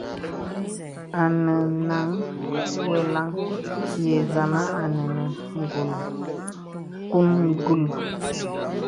Anɛnaŋ weləŋ yə̀ zàma à nə̀ nə̀ ngùngul.